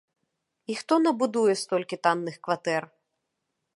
І хто набудуе столькі танных кватэр?